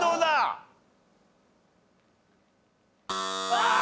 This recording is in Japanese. ああ！